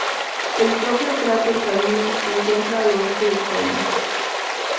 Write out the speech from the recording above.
El propio cráter Sabine se encuentra al oeste de Collins.